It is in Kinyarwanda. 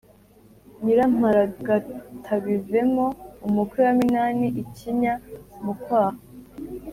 Nyiramparagatabivemo umukwe wa Minani-Ikinya mu kwaha.